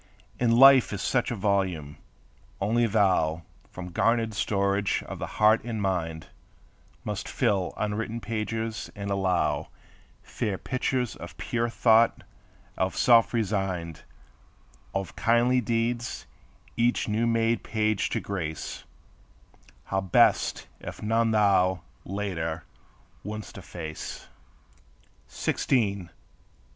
And life is such a volume, only thou, From garnered storage of the heart and mind, Must fill unwritten pages, and allow Fair pictures of pure thought, of self resigned, Of kindly deeds each new made page to grace; How blest if none thou, later, woulds't efface! Sixteen!